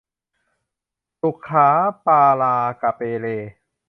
ศุขาปาลากะเปเล